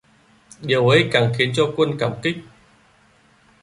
Điều ấy càng khiến cho quân cảm kích